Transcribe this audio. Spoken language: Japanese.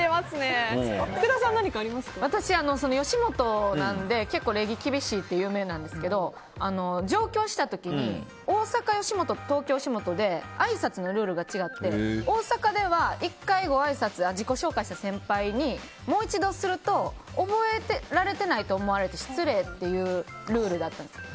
私、吉本なんで結構、礼儀厳しいって有名なんですけど上京した時に大阪吉本と東京吉本であいさつのルールが違って大阪では１回ごあいさつ自己紹介した先輩にもう一度すると覚えられてないと思われて失礼っていうルールだったんですよ。